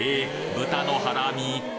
豚のハラミ！？